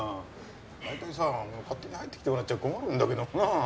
大体さ勝手に入ってきてもらっちゃ困るんだけどなぁ。